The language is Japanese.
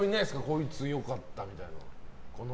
こいつ、良かったみたいな。